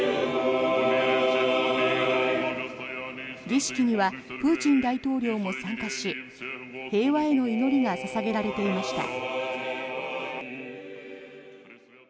儀式にはプーチン大統領も参加し平和への祈りが捧げられていました。